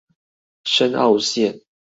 深澳線